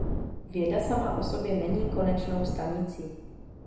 Věda sama o sobě není konečnou stanicí.